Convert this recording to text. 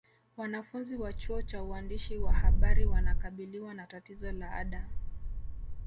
Wanafunzi wa chuo cha uandishi wa habari wanakabiliwa na tatizo la ada